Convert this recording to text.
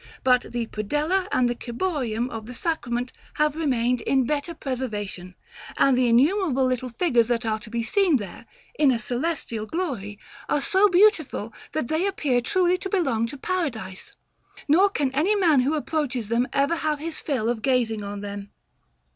But the predella and the Ciborium of the Sacrament have remained in better preservation; and the innumerable little figures that are to be seen there, in a Celestial Glory, are so beautiful, that they appear truly to belong to Paradise, nor can any man who approaches them ever have his fill of gazing on them.